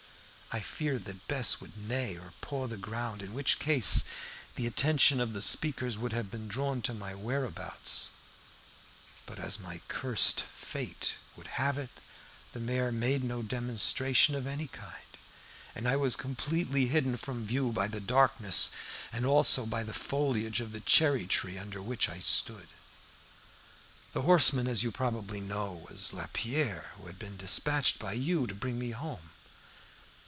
I feared that Bess would neigh or paw the ground, in which case the attention of the speakers would have been drawn to my whereabouts. But, as my cursed fate would have it, the mare made no demonstration of any kind, and I was completely hidden from view by the darkness and also by the foliage of the cherry tree under which I stood. The horseman, as you probably know, was Lapierre, who had been despatched by you to bring me home.